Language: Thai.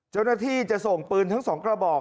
เจ้าหน้าที่จะส่งปืนทั้ง๒กระบอก